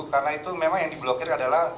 karena itu memang yang di blokir adalah